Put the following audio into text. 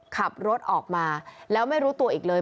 ขับรถออกมาแล้วไม่รู้ตัวอีกเลย